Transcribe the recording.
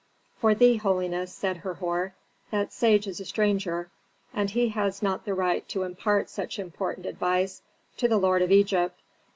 "For thee, holiness," said Herhor, "that sage is a stranger, and he has not the right to impart such important advice to the lord of Egypt.